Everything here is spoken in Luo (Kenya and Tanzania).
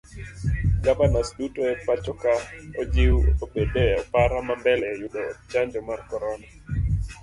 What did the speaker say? Gavanas duto epachoka ojiw obed e opara mambele e yudo chanjo mar korona.